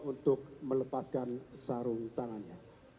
untuk melepaskan sarung tangannya